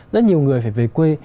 rất nhiều người phải về quê